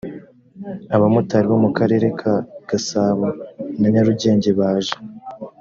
abamotari bo mu karere ka gasabo na nyarugenge baje